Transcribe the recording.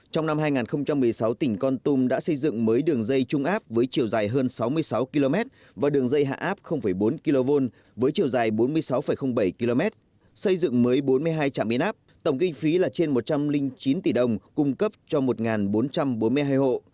tổng kinh phí là trên một trăm linh chín tỷ đồng cung cấp cho một bốn trăm bốn mươi hai hộ